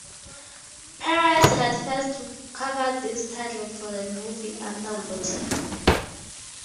Perez had first covered this title for the movie Underwater!